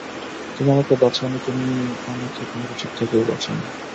তুমি আমাকে বাঁচাওনি, তুমি আমাকে কোন-কিছুর থেকে বাঁচাওনি।